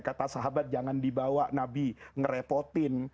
kata sahabat jangan dibawa nabi ngerepotin